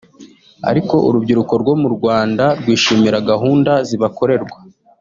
Ariko urubyiruko rwo mu Rwanda rwishimira gahunda zibakorerwa